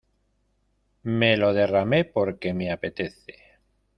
Me lo derramé porque me apetece.